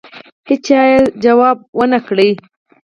هېچا یې ځواب ونه کړ.